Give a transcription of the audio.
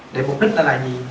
để mục đích đó là gì